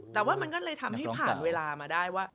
แต่ว่ามันก็เลยทำให้ผ่านเวลามาได้ว่า